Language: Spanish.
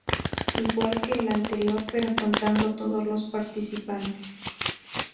Igual que el anterior, pero contando todos los participantes.